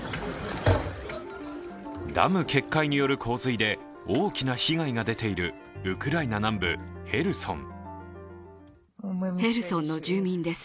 ダム決壊による洪水で大きな被害が出ているウクライナ南部、ヘルソン。